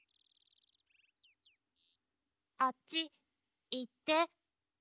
あっちいって。